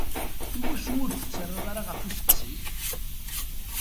i wacu ur d-tettarra ara ɣef usteqsi?